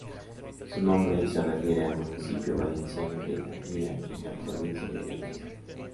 Su nombre se refiere al municipio valenciano de Gandía, en la provincia de Valencia.